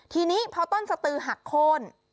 ทีนี้เพราะต้นศตือหักโค้น